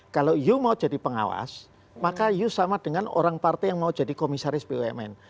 kalau you mau jadi pengawas maka you sama dengan orang partai yang mau jadi komisaris bumn